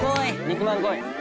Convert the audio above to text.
肉まんこい！